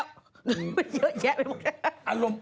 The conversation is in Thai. เยอะแยะไปหมด